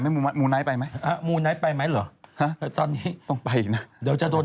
ที่มีอีกให้ออกให้หมดก่อน